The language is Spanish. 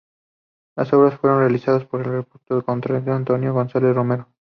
Las obras fueron realizadas por el reputado contratista Antonio González Romero.